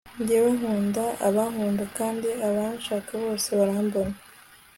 jyewe nkunda abankunda, kandi abanshaka bose barambona